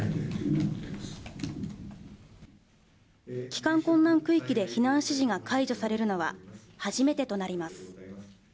帰還困難区域で避難指示が解除されるのは初めてとなります。